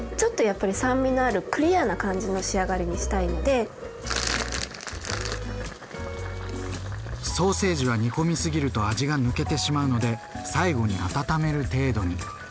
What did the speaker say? ちょっとやっぱりソーセージは煮込みすぎると味が抜けてしまうので最後に温める程度に。